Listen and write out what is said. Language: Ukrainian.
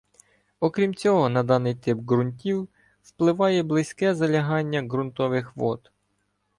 Окрім цього, на даний тип ґрунтів впливає близьке залягання ґрунтових вод.